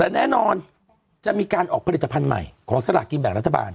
แต่แน่นอนจะมีการออกผลิตภัณฑ์ใหม่ของสลากกินแบ่งรัฐบาล